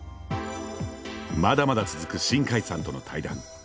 まだまだ続く新海さんとの対談。